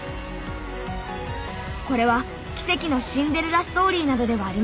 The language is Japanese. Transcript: これは奇跡のシンデレラストーリーなどではありません。